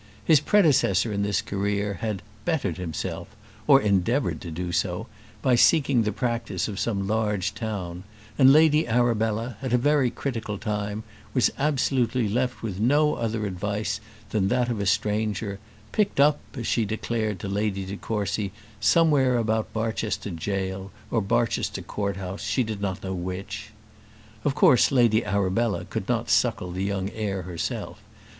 His predecessor in this career had "bettered" himself, or endeavoured to do so, by seeking the practice of some large town, and Lady Arabella, at a very critical time, was absolutely left with no other advice than that of a stranger, picked up, as she declared to Lady de Courcy, somewhere about Barchester jail, or Barchester court house, she did not know which. Of course Lady Arabella could not suckle the young heir herself.